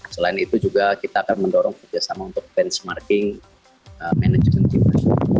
selain itu juga kita akan mendorong kerjasama untuk benchmarking management